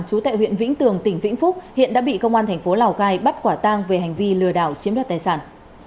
chú tại huyện vĩnh tường tỉnh vĩnh phúc hiện đã bị công an thành phố lào cai bắt quả tang về hành vi lừa đảo chiếm đoạt tài sản